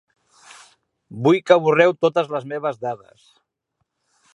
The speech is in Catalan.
Vull que borreu totes les meves dades.